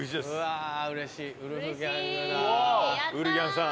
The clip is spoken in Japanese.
ウルギャンさん。